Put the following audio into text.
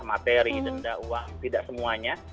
materi denda uang tidak semuanya